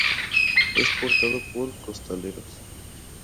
Es portado por costaleros.